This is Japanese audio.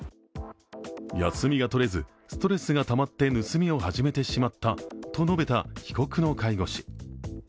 休みが取れず、ストレスがたまって盗みを始めてしまったと述べた被告の介護士。